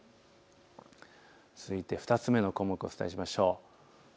続いて２つ目の項目をお伝えしましょう。